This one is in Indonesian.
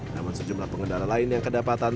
namun sejumlah pengendara lain yang kedapatan